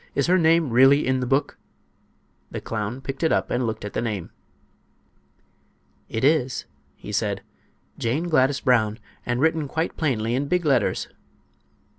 Is her name really in the book?" The clown picked it up and looked at the name. "It is," said he. "'Jane Gladys Brown;' and written quite plainly in big letters."